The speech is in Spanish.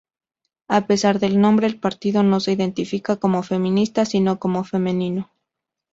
A pesar del nombre, el partido no se identifica como feminista, sino como "femenino".